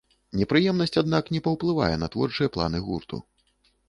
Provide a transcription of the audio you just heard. Непрыемнасць, аднак, не паўплывае на творчыя планы гурту.